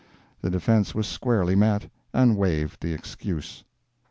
The defence was squarely met, and waived the excuse.